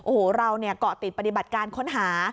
โอ้โหเราก็ติดปฏิบัติการค้นหา